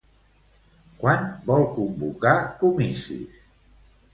Quan vol convocar comicis?